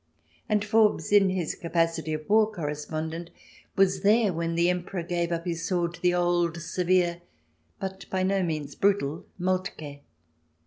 And Forbes, in his capacity of war correspondent, was there when the Emperor gave up his sword to the old, severe, but by no means brutal, Moltke.